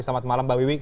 selamat malam mbak wiwi